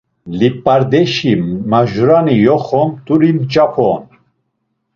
Lip̌ardeşi majurani yoxo ‘mt̆uri mç̌apu’ on.